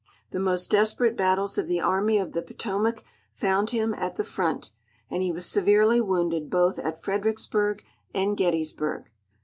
The most desi)erate battles of the army of the Potomac found him at the front, and he was severely wounded both at Fredericksburg and Gettysburg.